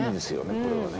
これはね。